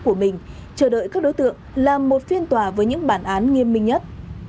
chờ đợi các đối tượng làm một phiên tòa với những bản án nghiêm minh nhất